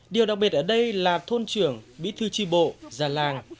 điều đặc biệt ở đây là thôn trưởng bí thư tri bộ già làng